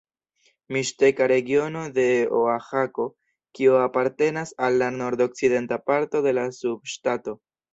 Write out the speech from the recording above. Miŝteka regiono de Oaĥako, kiu apartenas al la nordokcidenta parto de la subŝtato.